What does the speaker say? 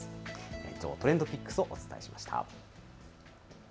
以上ＴｒｅｎｄＰｉｃｋｓをお伝えしました。